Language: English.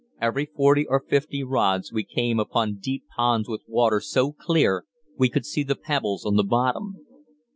Every forty or fifty rods we came upon deep ponds with water so clear we could see the pebbles on the bottom.